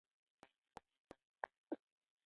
مخالفین تداوي کول.